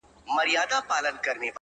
د برزخي ژوند دقيقې دې رانه کچي نه کړې!!